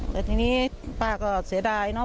แต่ทีนี้ป้าก็เสียดายเนอะ